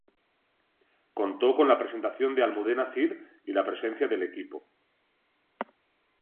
Contó con la presentación de Almudena Cid y la presencia del equipo.